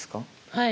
はい。